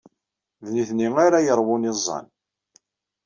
D nitni ara yeṛwun iẓẓan.